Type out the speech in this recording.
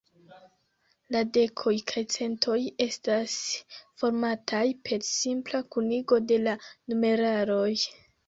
La dekoj kaj centoj estas formataj per simpla kunigo de la numeraloj.